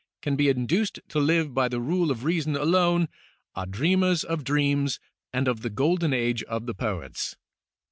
. can be induced to live by the rule of Reason alone, are dreamers of dreams and of the golden age of the poets."